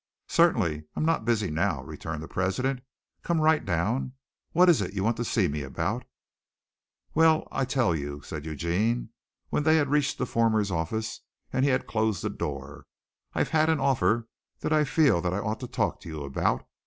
"Certainly. I'm not busy now," returned the president. "Come right down. What is it you want to see me about?" "Well, I'll tell you," said Eugene, when they had reached the former's office and he had closed the door. "I've had an offer that I feel that I ought to talk to you about.